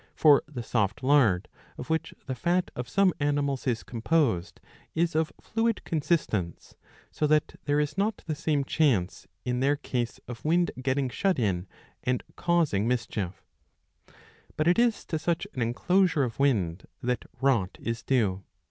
For the soft lard, of which the fat of some animals is composed, is of fluid consistence, so that there is not the same chance in their case of wind getting shut in and causing mischief • But it is to such an enclosure of wind that rot ^^ is due.